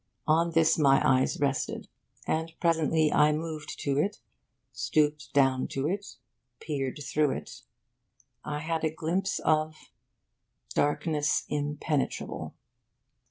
On this my eyes rested; and presently I moved to it, stooped down to it, peered through it. I had a glimpse of darkness impenetrable.